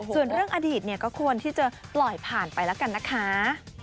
ส่วนเรื่องอดีตเนี่ยก็ควรที่จะปล่อยผ่านไปแล้วกันนะคะ